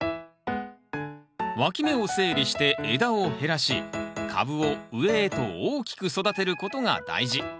わき芽を整理して枝を減らし株を上へと大きく育てることが大事。